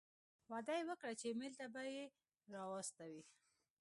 وعده یې وکړه چې ایمېل ته به یې را واستوي.